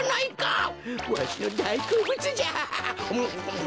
わしのだいこうぶつじゃ。